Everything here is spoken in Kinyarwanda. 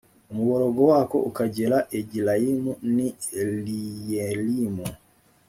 umuborogo wako ukagera egilayimu n i riyelimu